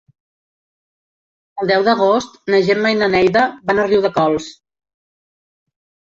El deu d'agost na Gemma i na Neida van a Riudecols.